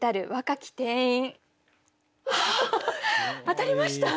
当たりました！